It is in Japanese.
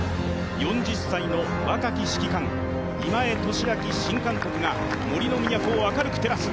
４０歳の若き指揮官、今江敏晃新監督が森の都を明るく照らす。